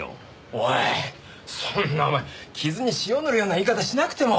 おいそんなお前傷に塩塗るような言い方しなくても。